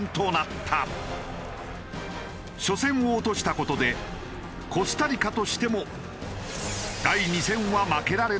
初戦を落とした事でコスタリカとしても。